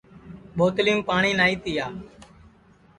ٻوتلِیم پاٹؔی نائی تِیا